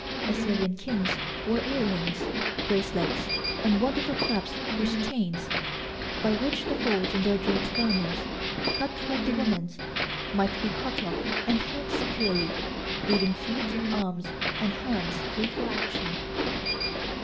Assyrian kings wore earrings, bracelets and wonderful clasps with chains, by which the folds of their draped garment, cut like the woman's, might be caught up and held securely, leaving feet, arms and hands free for action.